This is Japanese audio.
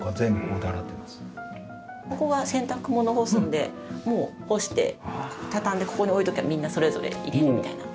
ここは洗濯物干すのでもう干して畳んでここに置いときゃみんなそれぞれ入れるみたいな。